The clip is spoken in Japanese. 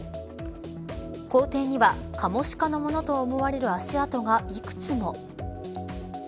校庭にはカモシカのものと思われる足跡が幾つも。